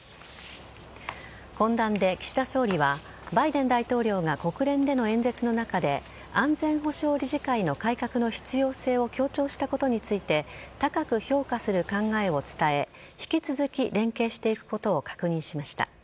懇談で岸田総理はバイデン大統領が国連での演説の中で安全保障理事会の改革の必要性を強調したことについて高く評価する考えを伝え引き続き連携していくことを確認しました。